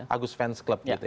agus fans klub gitu ya